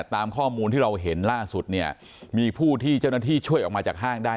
ตามข้อมูลที่เราเห็นล่าสุดเนี่ยมีผู้ที่เจ้าหน้าที่ช่วยออกมาจากห้างได้